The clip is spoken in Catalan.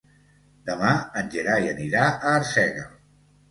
Demà en Gerai anirà a Arsèguel.